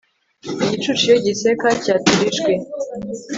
igicucu iyo giseka, cyatura ijwi